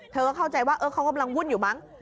เข้าใจว่าเขากำลังวุ่นอยู่มั้ง